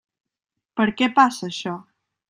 Per què passa, això?